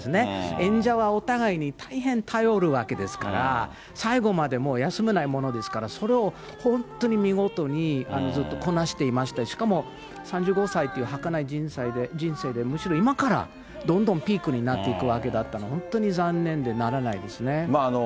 演者はお互いに大変頼るわけですから、最後までもう休めないものですから、それを本当に見事にずっとこなしていましたし、しかも、３５歳というはかない人生で、むしろ今からどんどんピークになっていくわけだったので、本当に残念でならないですね。